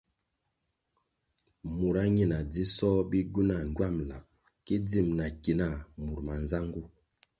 Mura ñina dzisoh bigywuna ngywam lab ki dzim na ki nah mur manzangu.